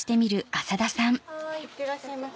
いってらっしゃいませ。